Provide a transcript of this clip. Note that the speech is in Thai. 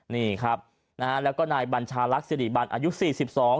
นี่ครับนะฮะแล้วก็นายบัญชาลักษิริบันอายุสี่สิบสอง